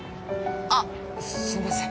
あっすいません